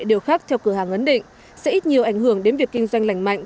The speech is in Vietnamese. điều khác theo cửa hàng ấn định sẽ ít nhiều ảnh hưởng đến việc kinh doanh lành mạnh